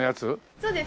そうです。